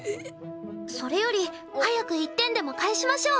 それより早く１点でも返しましょう。